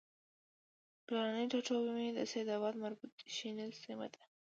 پلرنی ټاټوبی مې د سیدآباد مربوط شنیز سیمه ده